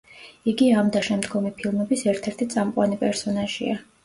იგი ამ და შემდგომი ფილმების ერთ-ერთი წამყვანი პერსონაჟია.